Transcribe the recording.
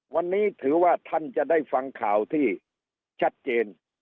วันนี้ถือว่าท่านจะได้ฟังข่าวที่ชัดเจน